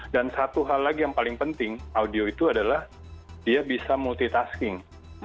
dan satu hal lagi yang paling penting audio itu adalah dia bisa multitasking